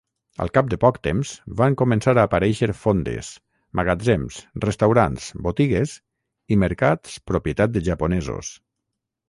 Al cap de poc temps, van començar a aparèixer fondes, magatzems, restaurants, botigues i mercats propietat de japonesos.